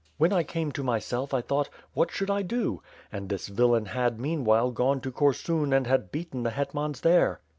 When 1 came to myself, I thought, what should I do? And this villain had, meanwhile, gone to Kor sun and had beaten the hetmans there.